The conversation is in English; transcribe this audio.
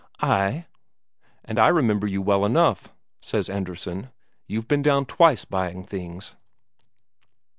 "Ay." "And I remember you well enough," says Andresen. "You've been down twice buying things."